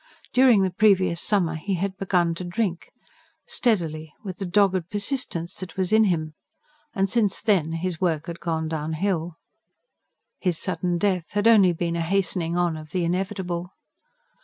During the previous summer he had begun to drink steadily, with the dogged persistence that was in him and since then his work had gone downhill. His sudden death had only been a hastening on of the inevitable.